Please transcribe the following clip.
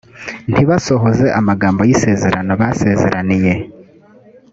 ntibasohoze amagambo y isezerano basezeraniye